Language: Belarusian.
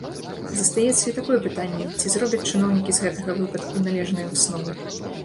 Застаецца і такое пытанне, ці зробяць чыноўнікі з гэтага выпадку належныя высновы.